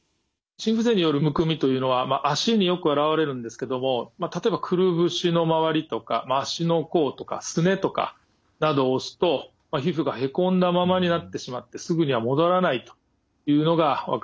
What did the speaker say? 心不全によるむくみというのは足によく現れるんですけども例えばくるぶしの周りとか足の甲とかすねとかなどを押すと皮膚がへこんだままになってしまってすぐには戻らないというのが分かります。